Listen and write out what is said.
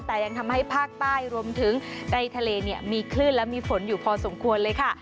แต่ยังทำให้ภาคใต้รวมถึงในทะเลเนี่ยมีคลื่นและมีฝนอยู่พอสมควรเลยค่ะ